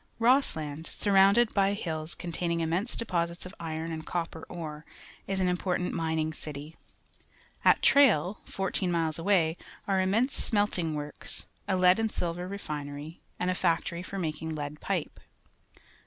Rosslnnd, surrounded b}' hills containing immense deposits of iron and copper ore, is an important mining city. At Tj nil, fmir teen miles away, are immense smelting works, a lead and silver refinery, and a factory for making lead pipe.